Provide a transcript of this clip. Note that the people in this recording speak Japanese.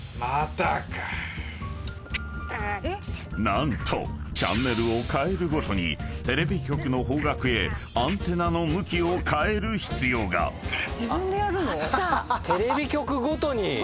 何⁉［何とチャンネルを変えるごとにテレビ局の方角へアンテナの向きを変える必要が］あった。